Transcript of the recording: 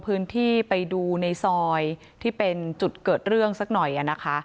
ไปดูในซอยที่เป็นจุดเกิดเรื่องสักหน่อยนะคะ